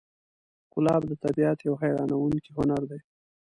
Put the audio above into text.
ګلاب د طبیعت یو حیرانوونکی هنر دی.